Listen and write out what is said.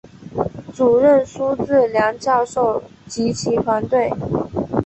主任苏智良教授及其团队